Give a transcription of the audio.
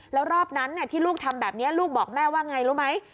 แล้วรอบนั้นที่ลูกทำแบบนี้ลูกบอกแม่ว่าไงรู้ไหม